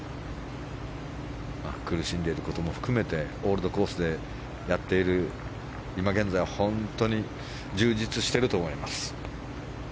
苦しんでいることも含めてオールドコースでやっている今現在、本当に充実していると思います。